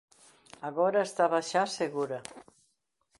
Agora estaba xa segura.